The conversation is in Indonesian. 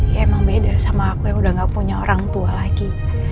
ya emang beda sama aku yang udah gak punya orang tua lagi